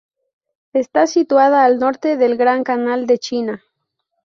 Está situada al norte del Gran Canal de China.